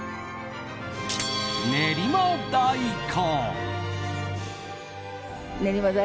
練馬大根。